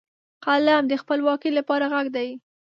قلم د خپلواکۍ لپاره غږ دی